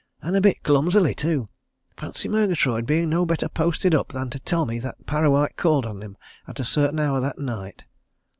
And a bit clumsily, too fancy Murgatroyd being no better posted up than to tell me that Parrawhite called on him at a certain hour that night!"